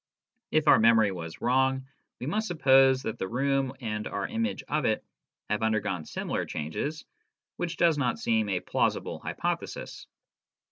If our memory was wrong, we must suppose that the room and our image of it have undergone similar changes, which does not seem a plausible hypothesis.